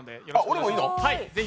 俺もいいの？